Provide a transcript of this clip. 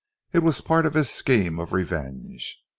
It was part of his scheme of revenge.